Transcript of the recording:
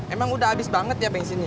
emang udah habis banget ya bensinnya